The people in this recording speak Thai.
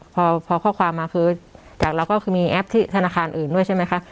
พอข้อความมาคือจากเราก็คือมีแอปที่ธนาคารอื่นด้วยใช่ไหมคะ